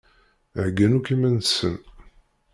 Heggan akk iman-nsen.